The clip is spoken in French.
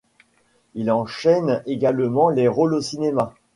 Il enchaîne également les rôles au cinéma.